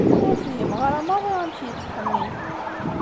Ur fhimeɣ ara maḍi amek yettxemmim.